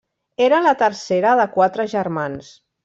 Era la tercera de quatre germans.